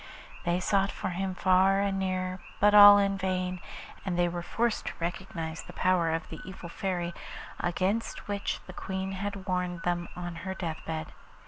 They sought for him far and near, but all in vain, and they were forced to recognise the power of the evil Fairy, against which the Queen had warned them on her death bed.